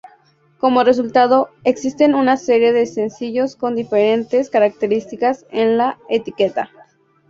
Como resultado, existen una serie de sencillos con diferentes características en la etiqueta.